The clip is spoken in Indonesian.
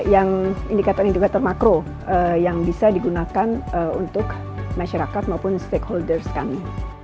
yang indikator indikator makro yang bisa digunakan untuk masyarakat maupun stakeholders kami